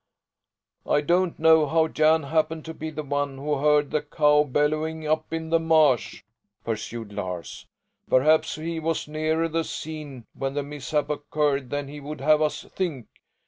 "I don't know how Jan happened to be the one who heard the cow bellowing up in the marsh," pursued Lars. "Perhaps he was nearer the scene when the mishap occurred than he would have us think.